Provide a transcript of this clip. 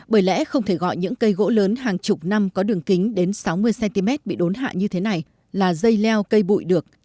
bởi lẽ không thể gọi những cây gỗ lớn hàng chục năm có đường kính đến sáu mươi cm bị đốn hạ như thế này là dây leo cây bụi được